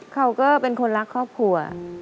เขาก็เป็นคนรักครอบครัว